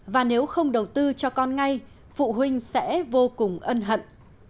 và nếu không đầu tư cho con ngay phụ huynh sẽ vô cùng ân hận